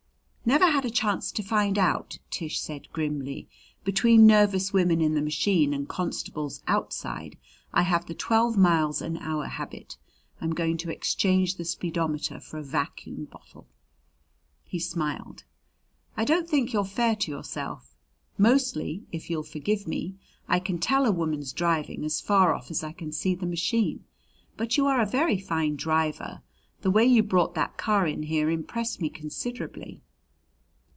"Never had a chance to find out," Tish said grimly. "Between nervous women in the machine and constables outside I have the twelve miles an hour habit. I'm going to exchange the speedometer for a vacuum bottle." He smiled. "I don't think you're fair to yourself. Mostly if you'll forgive me I can tell a woman's driving as far off as I can see the machine; but you are a very fine driver. The way you brought that car in here impressed me considerably."